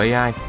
sẽ có khả năng